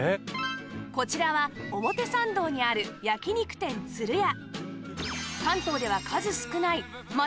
こちらは表参道にある焼き肉店つる屋